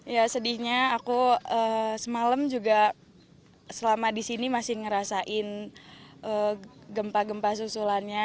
ya sedihnya aku semalam juga selama di sini masih ngerasain gempa gempa susulannya